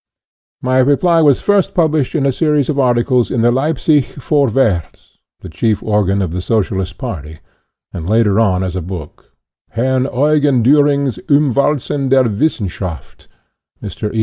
My reply was first published in a series of arti cles in the Leipzig " Vorwarts," the chief organ of the Socialist party, and later on as a book: " Herrn Eugen Duhring's Umwalzung der Wis senschaft" (Mr. E.